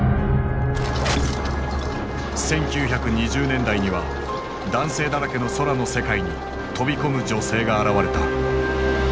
１９２０年代には男性だらけの空の世界に飛び込む女性が現れた。